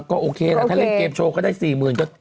ก็โอเคล่ะถ้าเล่นเกมโชว์ก็ได้๔๐๐๐ก็